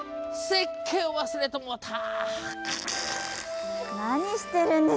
せっけんを忘れてもうた。